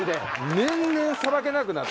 年々さばけなくなって。